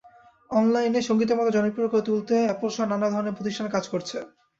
অনলাইনে সংগীতের মতো জনপ্রিয় করে তুলতে অ্যাপলসহ নানা ধরনের প্রতিষ্ঠান কাজ করছে।